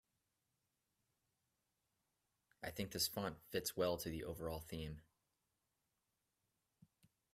I think this font fits well to the overall theme.